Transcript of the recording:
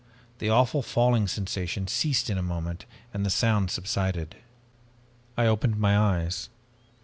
The awful falling sensation ceased in a moment and the sound subsided. I opened my eyes.